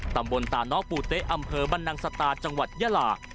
ตำบลตาน้องปูเต๊ะอำเภอบรรนังสตาจังหวัดยาลา